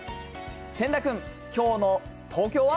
千田君、きょうの東京は？